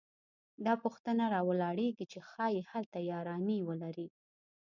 دا پوښتنه راولاړېږي چې ښايي هلته یارانې ولري